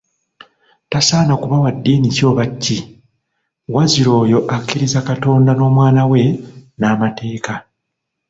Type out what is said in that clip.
Tasaana kuba wa ddiini ki oba ki, wazira oyo akkiriza Katonda n'Omwana we n'amateeka.